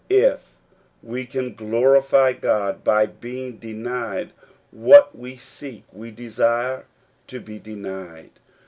If we can glorify God by being denied what we seek, we desire to be denied.